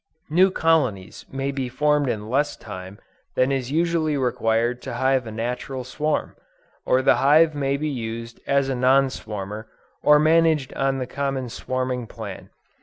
New colonies may be formed in less time than is usually required to hive a natural swarm; or the hive may be used as a non swarmer, or managed on the common swarming plan.